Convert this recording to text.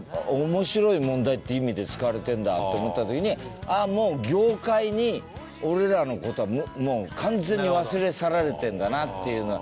「面白い問題」っていう意味で使われてるんだって思った時にああもう業界に俺らの事は完全に忘れ去られてるんだなっていうのは。